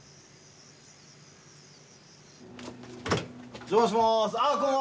お邪魔します。